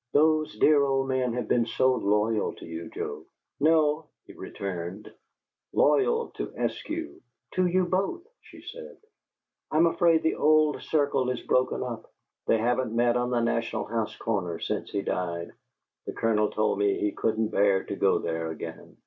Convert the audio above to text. "Those dear old men have been so loyal to you, Joe." "No," he returned; "loyal to Eskew." "To you both," she said. "I'm afraid the old circle is broken up; they haven't met on the National House corner since he died. The Colonel told me he couldn't bear to go there again."